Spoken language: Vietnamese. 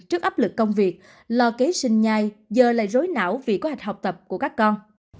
trước áp lực công việc lo kế sinh nhai giờ lại rối não vì quá hạch học tập của các con